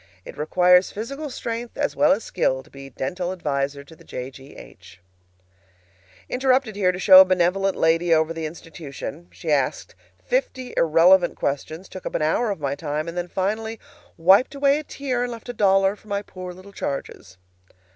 It requires physical strength as well as skill to be dental adviser to the J. G. H. .......... Interrupted here to show a benevolent lady over the institution. She asked fifty irrelevant questions, took up an hour of my time, then finally wiped away a tear and left a dollar for my "poor little charges."